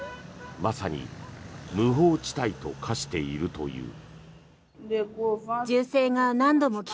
まさに無法地帯と化しているという。